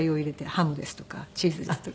ハムですとかチーズですとか。